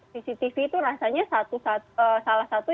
cctv itu rasanya salah satu